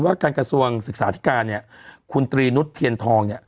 ว่าการกระทรวงศึกษาธิการคุณตรีนุษย์เทียนทอง